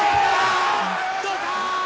どうか？